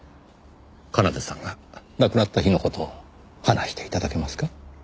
奏さんが亡くなった日の事を話して頂けますか？